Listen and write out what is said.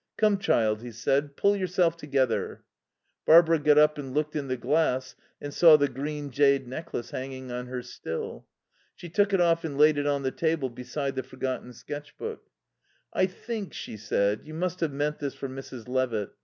"Come, child," he said, "pull yourself together." Barbara got up and looked in the glass and saw the green jade necklace hanging on her still. She took it off and laid it on the table beside the forgotten sketch book. "I think," she said, "you must have meant this for Mrs. Levitt.